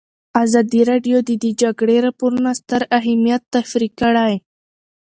ازادي راډیو د د جګړې راپورونه ستر اهميت تشریح کړی.